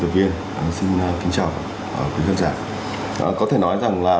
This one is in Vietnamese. à vì đi lại gần